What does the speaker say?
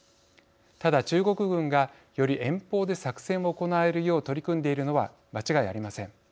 ただ、中国軍がより遠方で作戦を行えるよう取り組んでいるのは間違いありません。